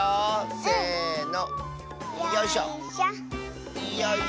せの！